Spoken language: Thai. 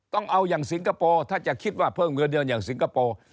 ต้องเอาอย่างสิงคโปร์ถ้าจะคิดว่าเพิ่มเงินเดือนอย่างสิงคโปร์